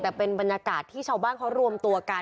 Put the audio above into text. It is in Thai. แต่เป็นบรรยากาศที่ชาวบ้านเขารวมตัวกัน